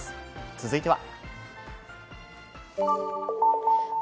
続いては。